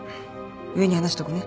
上に話しとくね。